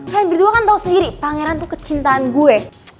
kamu berdua tahu sendiri pangeran itu kecintaan saya